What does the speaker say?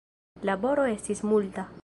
Laboro estis multa.